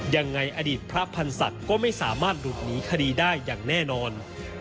ยังไงอดีตพระพรรษักรก็ไม่สามารถหลุดหนีคดีได้อย่างแน่นอน